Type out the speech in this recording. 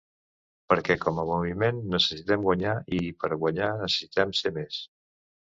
Perquè com a moviment necessitem guanyar i per a guanyar necessitem ser més.